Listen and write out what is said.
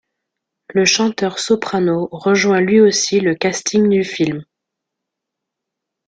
Le chanteur Soprano rejoint lui aussi le casting du film.